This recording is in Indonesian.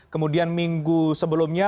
kemudian minggu sebelumnya